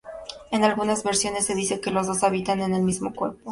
En algunas versiones, se dice que los dos habitan en el mismo cuerpo.